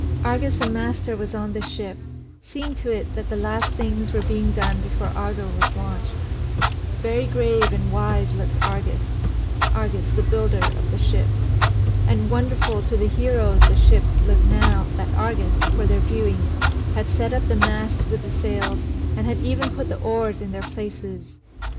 Argus the master was on the ship, seeing to it that the last things were being done before Argo was launched. Very grave and wise looked Argus Argus the builder of the ship. And wonderful to the heroes the ship looked now that Argus, for their viewing, had set up the mast with the sails and had even put the oars in their places.